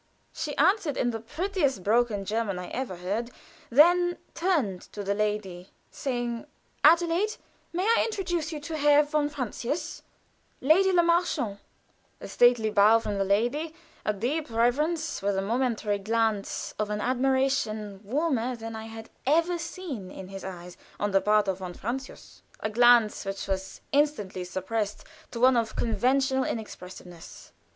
She answered in the prettiest broken German I ever heard, and then turned to the lady, saying: "Adelaide, may I introduce Herr von Francius Lady Le Marchant." A stately bow from the lady a deep reverence, with a momentary glance of an admiration warmer than I had ever seen in his eyes, on the part of von Francius a glance which was instantly suppressed to one of conventional inexpressiveness.